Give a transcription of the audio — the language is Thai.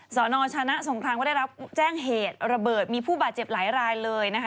สนชนะสงครามก็ได้รับแจ้งเหตุระเบิดมีผู้บาดเจ็บหลายรายเลยนะคะ